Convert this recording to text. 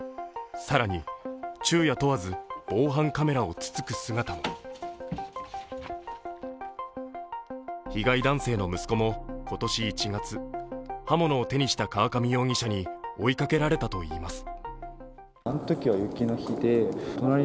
更に、昼夜問わず防犯カメラをつつく姿も被害男性の息子も今年１月刃物を手にした河上容疑者に追いかけられたといいます。